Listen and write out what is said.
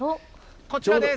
こちらです。